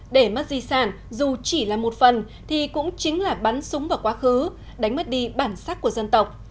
để mất di sản dù chỉ là một phần thì cũng chính là bắn súng vào quá khứ đánh mất đi bản sắc của dân tộc